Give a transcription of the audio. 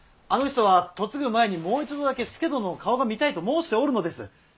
あの人は嫁ぐ前にもう一度だけ佐殿の顔が見たいと申しておるのです。